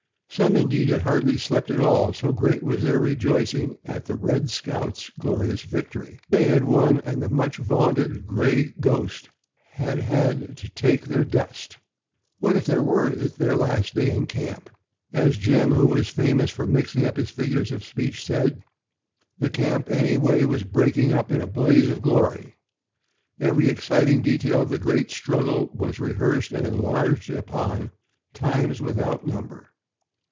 Some, indeed, had hardly slept at all, so great was their rejoicing at the "Red Scout's" glorious victory. They had won and the much vaunted "Gray Ghost" had had to "take their dust." What if it were their last day in camp? As Jim, who was famous for mixing his figures of speech, said, "The camp, anyway, was breaking up in a blaze of glory." Every exciting detail of the great struggle was rehearsed and enlarged upon, times without number.